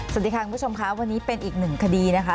สวัสดีค่ะคุณผู้ชมค่ะวันนี้เป็นอีกหนึ่งคดีนะคะ